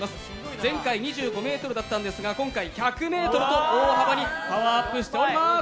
前回２５ｍだったんですが、今回は１００ｍと大幅にパワーアップしております。